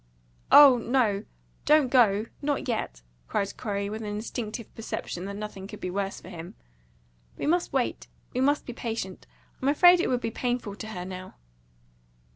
"Oh no! Don't go not yet," cried Corey, with an instinctive perception that nothing could be worse for him. "We must wait we must be patient. I'm afraid it would be painful to her now."